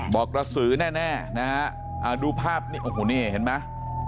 กระสือแน่นะฮะดูภาพนี่โอ้โหนี่เห็นไหม